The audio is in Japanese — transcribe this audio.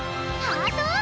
ハートを！